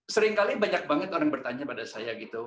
sering kali banyak banget orang bertanya pada saya gitu